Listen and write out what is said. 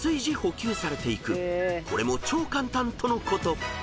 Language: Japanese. ［これも超簡単とのこと］